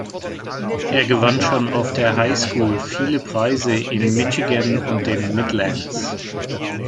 Er gewann schon auf der High School viele Preise in Michigan und den Midlands.